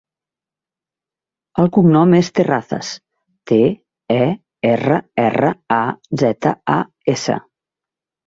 El cognom és Terrazas: te, e, erra, erra, a, zeta, a, essa.